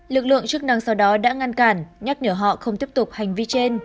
lực lượng chức năng sau đó đã ngăn cản nhắc nhở họ không tiếp tục hành vi trên